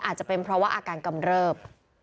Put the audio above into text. อาจจะเป็นเพราะว่าอาการกำเริบ